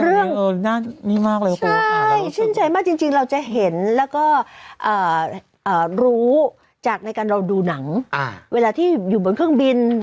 เรื่องนี้มากเลยคุณใช่ชื่นใจมากจริงเราจะเห็นแล้วก็รู้จากในการเราดูหนังเวลาที่อยู่บนเครื่องบิน